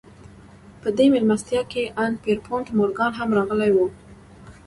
په دې مېلمستيا کې ان پيرپونټ مورګان هم راغلی و.